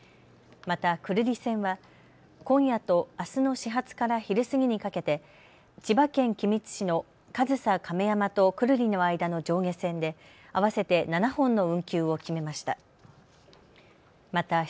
また、久留里線は今夜とあすの始発から昼過ぎにかけて千葉県君津市の上総亀山と久留里の間の上下線で合わせて７本の運休を決めました。